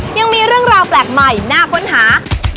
ยังมีเรื่องราวแปลกใหม่น่าค้นหา